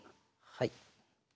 はい。